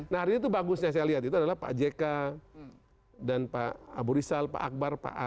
nah hari ini tuh bagusnya saya lihat itu adalah pak jk dan pak abu rizal pak akbar pak a